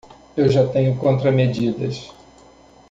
Eu já tenho contramedidas